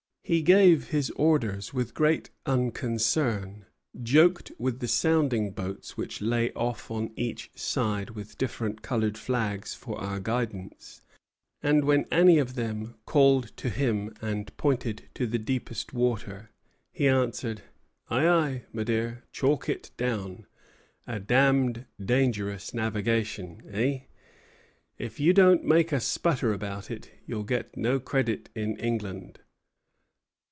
He gave his orders with great unconcern, joked with the sounding boats which lay off on each side with different colored flags for our guidance; and when any of them called to him and pointed to the deepest water, he answered: 'Ay, ay, my dear, chalk it down, a damned dangerous navigation, eh! If you don't make a sputter about it you'll get no credit in England.'